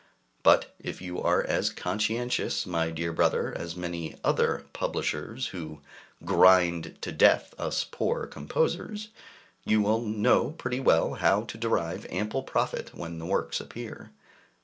But if you are as conscientious, my dear brother, as many other publishers, who grind to death us poor composers, you will know pretty well how to derive ample profit when the works appear.